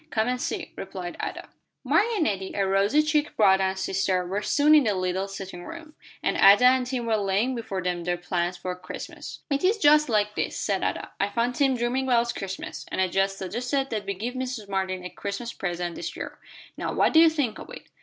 "Come and see," replied Ada. Mark and Nettie, a rosy cheeked brother and sister, were soon in the little sitting room, and Ada and Tim were laying before them their plans for Christmas. "It is just like this," said Ada; "I found Tim dreaming about Christmas, and I just suggested that we give Mrs. Martin a Christmas present this year. Now what do you think of it?"